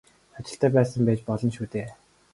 Ажилтай байж байсан болно шүү дээ.